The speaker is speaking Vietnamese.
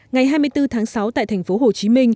ngày hai mươi bốn tháng sáu tại tp hcm